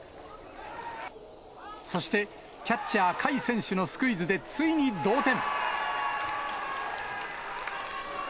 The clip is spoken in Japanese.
そして、キャッチャー、甲斐選手のスクイズでついに同点。